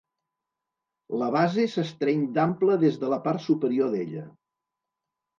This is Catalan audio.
La base s'estreny d'ample des de la part superior d'ella.